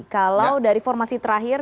kalau dari formasi terakhir